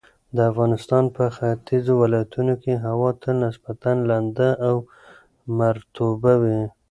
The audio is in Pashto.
د افغانستان په ختیځو ولایتونو کې هوا تل نسبتاً لنده او مرطوبه وي.